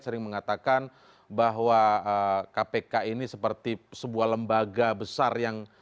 sering mengatakan bahwa kpk ini seperti sebuah lembaga besar yang